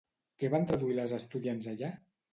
Què van traduir les estudiants allà?